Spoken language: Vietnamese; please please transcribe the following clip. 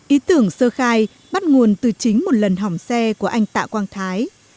ý tưởng sơ khai bắt nguồn từ chính một lần hỏng xe của anh tạ quang thái